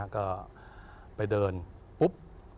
ก็ไปเดินปุ๊บ